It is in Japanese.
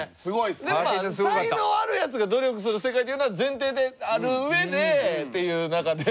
でも才能あるヤツが努力する世界っていうのが前提である上でっていう中で。